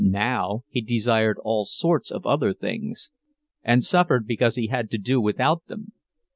But now he desired all sorts of other things, and suffered because he had to do without them.